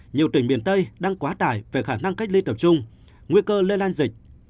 nhiều tỉnh miền tây đang quá tải về khả năng cách ly tập trung nguy cơ lây lan dịch